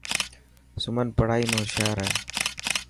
سمن پڙهائي ۾ هوشيار هي.